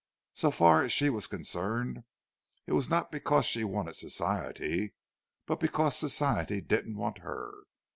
So far as she was concerned, it was not because she wanted Society, but because Society didn't want her.